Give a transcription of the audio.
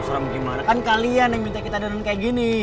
serem serem gimana kan kalian yang minta kita denun kayak gini